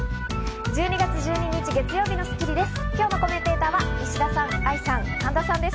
１２月１２日、月曜日の『スッキリ』です。